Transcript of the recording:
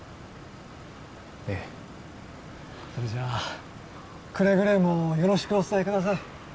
ええそれじゃあくれぐれもよろしくお伝えください